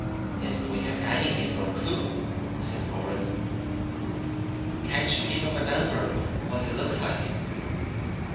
"If we had anything for a clue," said Warren. "Can't you even remember what they looked like?"